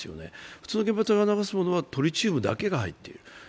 普通の原発が流すものはトリチウムだけが入っている。